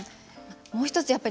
もう一つ